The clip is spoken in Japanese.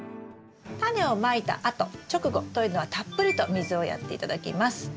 タネをまいたあと直後というのはたっぷりと水をやって頂きます。